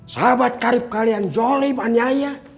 sahabat karib kalian jolib anyaya